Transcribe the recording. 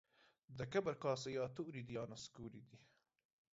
د کبر کاسې يا توري دي يا نسکوري دي.